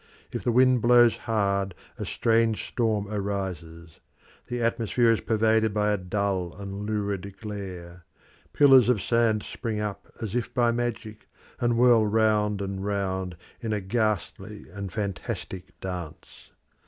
If the wind blows hard a strange storm arises; the atmosphere is pervaded by a dull and lurid glare; pillars of sand spring up as if by magic, and whirl round and round in a ghastly and fantastic dance.